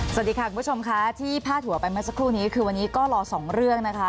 สวัสดีค่ะคุณผู้ชมค่ะที่พาดหัวไปเมื่อสักครู่นี้คือวันนี้ก็รอสองเรื่องนะคะ